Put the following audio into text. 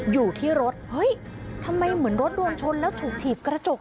อยู่ที่รถเฮ้ยทำไมเหมือนรถโดนชนแล้วถูกถีบกระจก